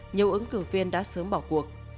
nhiều ứng cử viên đã sớm bỏ cuộc